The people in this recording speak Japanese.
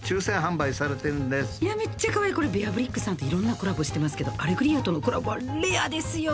いやめっちゃカワイイこれＢＥ＠ＲＢＲＩＣＫさんっていろんなコラボしてますけどアレグリアとのコラボはレアですよ。